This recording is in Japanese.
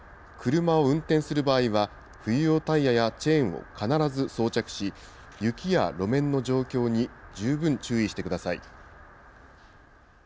車を運転する場合は、冬用タイヤやチェーンを必ず装着し、雪や路面の状況に十分注意してください。